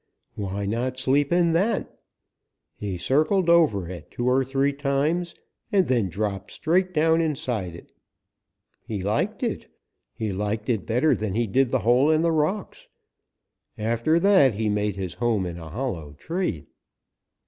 Why not sleep in that? He circled over it two or three times and then dropped straight down inside. He liked it. He liked it better than he did the hole in the rocks. After that he made his home in a hollow tree.